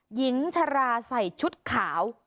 หญิงชราใส่ชุดขาว